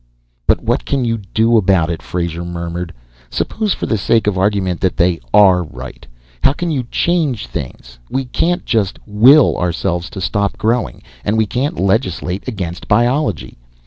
"But what can you do about it?" Frazer murmured. "Suppose for the sake of argument that they are right. How can you change things? We can't just will ourselves to stop growing, and we can't legislate against biology.